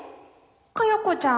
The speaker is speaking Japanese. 嘉代子ちゃん？」。